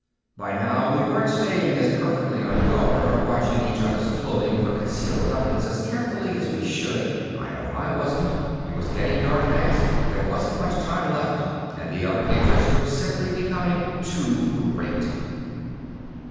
By now we weren't staying as perfectly on guard or watching each other's clothing for concealed weapons as carefully as we should I know I wasn't. It was getting dark fast, there wasn't much time left, and the other interest was simply becoming too great.